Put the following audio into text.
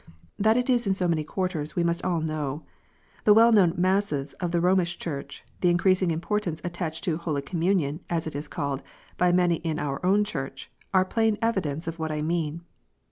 That it is so in many quarters, we all must know. The well known "masses" of the Romish Church, the increasing importance attached to " Holy Communion," as it is called, by many in our own Church, are plain evidence of what I mean.